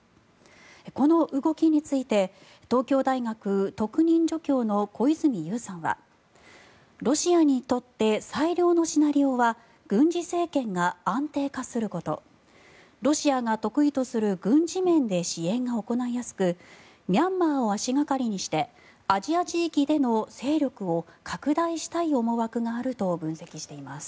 この動きについて東京大学特任助教の小泉悠さんはロシアにとって最良のシナリオは軍事政権が安定化することロシアが得意とする軍事面で支援が行いやすくミャンマーを足掛かりにしてアジア地域での勢力を拡大したい思惑があると分析しています。